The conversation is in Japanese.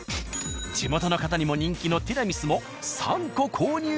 地元の方にも人気のティラミスも３個購入！